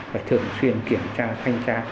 phải thường xuyên kiểm tra thanh tra